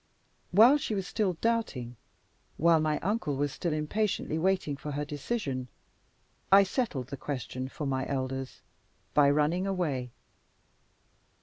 While she was still doubting, while my uncle was still impatiently waiting for her decision, I settled the question for my elders by running away.